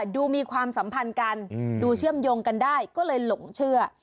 ดูมีความสัมพันธ์กันดูเชื่อมโยงกันได้ก็เลยหลงเชื่อ